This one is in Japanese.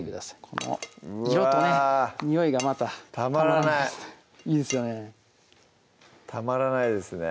うわぁ色とねにおいがまたたまらないいいですよねたまらないですね